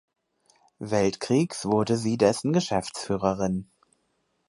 Weltkriegs wurde sie dessen Geschäftsführerin.